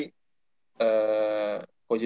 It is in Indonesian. ko jj udah berusaha di jawa